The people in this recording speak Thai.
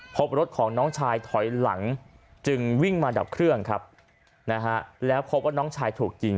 พบรถของน้องชายถอยหลังจึงวิ่งมาดับเครื่องครับนะฮะแล้วพบว่าน้องชายถูกยิง